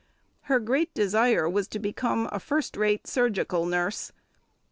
Her great desire was to become a first rate surgical nurse.